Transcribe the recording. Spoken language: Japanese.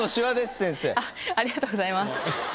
ありがとうございます。